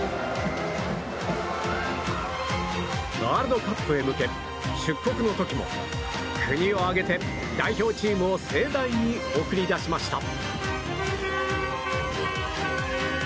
ワールドカップへ向け出国の時も国を挙げて代表チームを盛大に送り出しました。